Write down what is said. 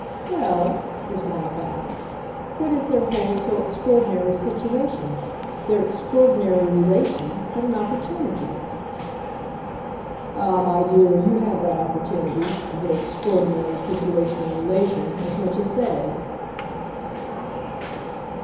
"Well," his wife asked, "what is their whole so extraordinary situation, their extraordinary relation, but an opportunity?" "Ah, my dear, you have that opportunity of their extraordinary situation and relation as much as they."